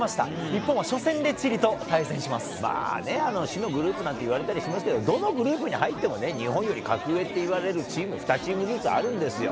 日本は初戦でチリと対戦し死のグループなんていわれたりしますけど、どのグループに入ってもね、日本より格上っていわれるチーム、２チームずつあるんですよ。